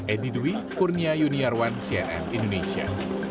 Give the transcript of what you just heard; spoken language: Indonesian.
edi dwi kurnia yuniarwan cnn indonesia